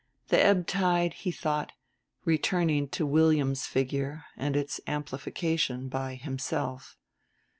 The ebb tide, he thought, returning to William's figure and its amplification by himself.